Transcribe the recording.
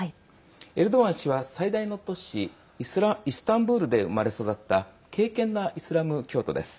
エルドアン氏は、最大の都市イスタンブールで生まれ育った敬けんなイスラム教徒です。